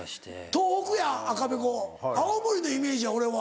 東北や赤べこ青森のイメージや俺は。